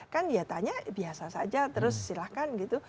kan ya tanya biasa saja terus silahkan gitu